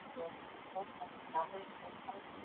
mauaji ya kimbari ni mauaji ya aina ya halaiki